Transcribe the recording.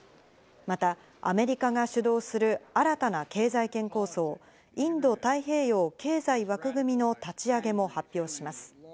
またアメリカが主導する新たな経済圏構想、インド太平洋経済枠組みの立ち上げも発表します。